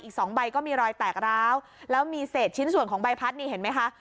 อีกสองใบก็มีรอยแตกร้าวแล้วมีเศษชิ้นส่วนของใบพัดนี่เห็นไหมคะ